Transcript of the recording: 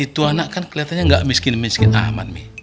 itu anak kan keliatanya gak miskin miskin amat mih